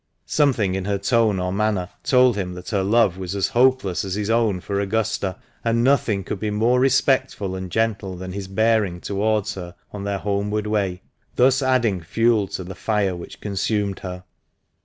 Something in her tone or manner told him that her love was as hopeless as his own for Augusta, and nothing could be more respectful and gentle than his bearing towards her on their homeward way, thus adding fuel to the fire which consumed her.